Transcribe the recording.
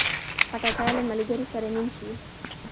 خټکی له ملګري سره نیم شي.